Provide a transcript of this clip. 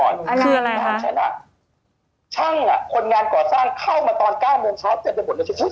เมื่อเช้านี้เกิดเหตุการณ์ที่มันเกิด